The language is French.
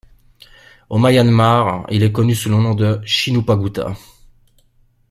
Au Myanmar, il est connu sous le nom de Shin Upagutta.